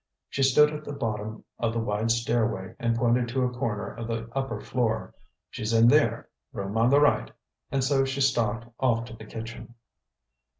She stood at the bottom of the wide stairway and pointed to a corner of the upper floor. "She's in there room on the right!" and so she stalked off to the kitchen.